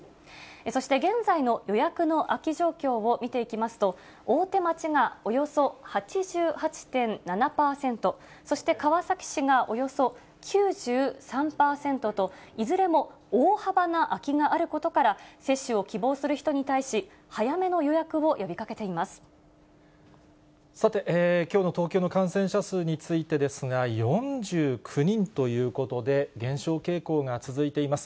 そして現在の予約の空き状況を見ていきますと、大手町がおよそ８８．７％、そして川崎市がおよそ９３％と、いずれも大幅な空きがあることから、接種を希望する人に対し、さて、きょうの東京の感染者数についてですが、４９人ということで、減少傾向が続いています。